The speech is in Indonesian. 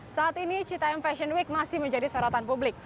saat ini citaim fashion week masih menjadi sorotan publik